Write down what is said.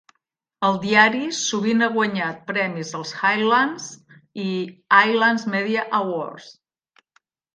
El diari sovint ha guanyat premis als Highlands i Islands Media Awards.